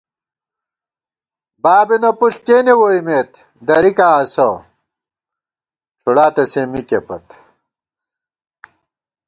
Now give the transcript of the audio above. بابېنہ پُݪ کېنے ووئیمېت درِکاں اسہ، ڄُھڑاتہ سے مِکے پت